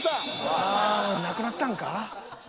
ああなくなったんか？